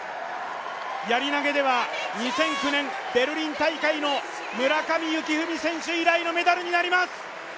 やり投では２００９年、ベルリン大会の村上幸史選手以来のメダルになります。